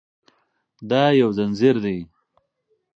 دا یو ځنځیر دی.